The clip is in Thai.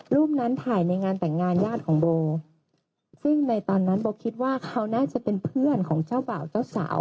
รูปนั้นถ่ายในงานแต่งงานญาติของโบซึ่งในตอนนั้นโบคิดว่าเขาน่าจะเป็นเพื่อนของเจ้าบ่าวเจ้าสาว